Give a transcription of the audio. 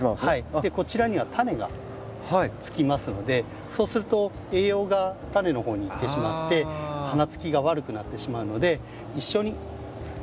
こちらには種がつきますのでそうすると栄養が種の方にいってしまって花つきが悪くなってしまうので一緒に取ってしまいましょう。